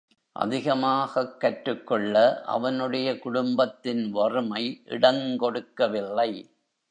அதிகமாகக் கற்றுக்கொள்ள அவனுடைய குடும்பத்தின் வறுமை இடங்கொடுக்கவில்லை.